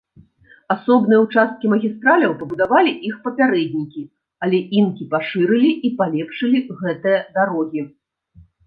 Асобныя ўчасткі магістраляў пабудавалі іх папярэднікі, але інкі пашырылі і палепшылі гэтыя дарогі.